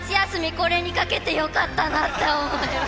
これにかけてよかったなって思います。